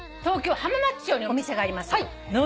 東京浜松町にお店があります。